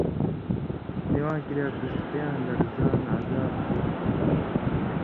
سِواں کِریا دُسقیاں لڑزان (عذاب) ہو تُھو،